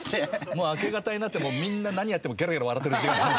もう明け方になってみんな何やってもゲラゲラ笑ってる時間。